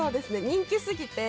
人気すぎて